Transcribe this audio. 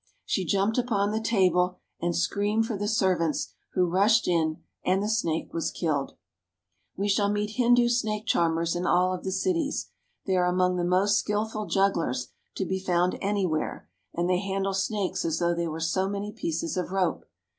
She jumped upon the table, and screamed for the servants, who rushed in, and the snake was killed. CARP. ASIA — 15 246 THE WILD ANIMALS OF INDIA We shall meet Hindu snake charmers in all of the cities. They are among the most skillful' jugglers to be found any where, and they handle snakes as though they were so many pieces of rope.